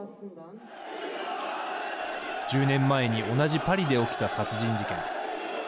１０年前に同じパリで起きた殺人事件。